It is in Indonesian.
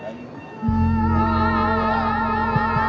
tersangkupi kepada menggigit indonesia